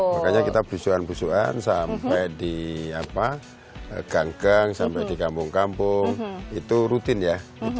makanya kita busuhan busuan sampai di gang gang sampai di kampung kampung itu rutin ya